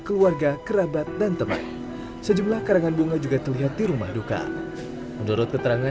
keluarga kerabat dan teman sejumlah karangan bunga juga terlihat di rumah duka menurut keterangan